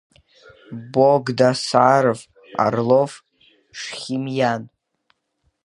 Богдасаров, Орлов, Шхимиан…